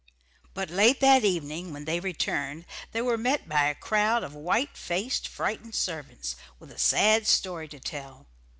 But late that evening when they returned, they were met by a crowd of white faced frightened servants, with a sad story to tell.